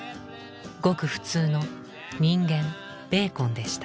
ごく普通の人間ベーコンでした。